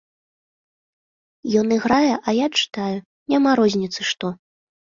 Ён іграе, а я чытаю, няма розніцы што.